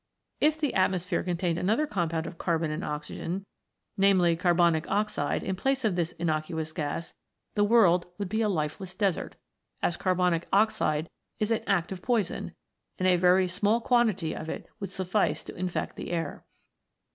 If the atmosphere contained another compound of carbon and oxygen, namely, carbonic oxide, in place of this innocuous gas, the world would be a lifeless desert, as carbonic oxide is an active poison, and a very small quantity of it would suffice to infect the air.